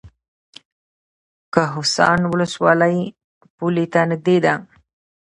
کهسان ولسوالۍ پولې ته نږدې ده؟